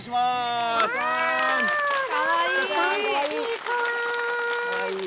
かわいい。